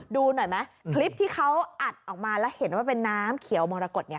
ดูหน่อยไหมคลิปที่เขาอัดออกมาแล้วเห็นว่าเป็นน้ำเขียวมรกฏเนี่ย